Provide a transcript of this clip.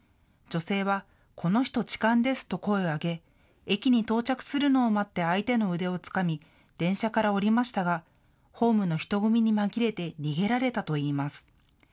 女性はこの人、痴漢ですと声を上げ、駅に到着するのを待って相手の腕をつかみ電車から降りましたがホームの人混みに紛れて逃げられたといいます。